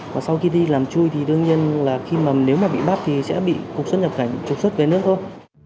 và sau khi đi làm chui thì đương nhiên là khi mà nếu mà bị bắt thì sẽ bị cục xuất nhập cảnh trục xuất về nước thôi